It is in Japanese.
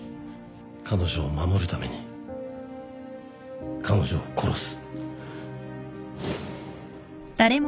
彼女を守るために彼女を殺す。